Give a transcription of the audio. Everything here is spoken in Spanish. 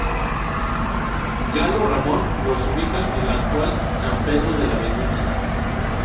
Galo Ramón los ubica en el actual San Pedro de la Bendita.